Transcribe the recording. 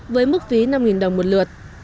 với mức phí năm đồng một lượt